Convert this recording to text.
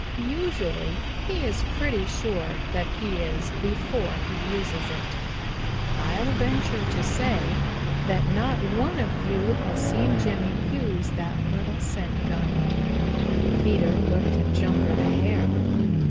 Usually he is pretty sure that he is before he uses it. I'll venture to say that not one of you has seen Jimmy use that little scent gun." Peter looked at Jumper the Hare.